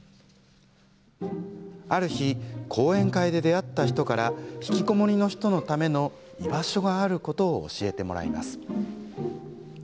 ある日、講演会で出会った人からひきこもりの人のための居場所があることを教えてもらいます。